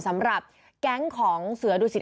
สำหรับแก๊งของเสือดุสิต